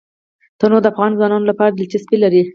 تنوع د افغان ځوانانو لپاره دلچسپي لري.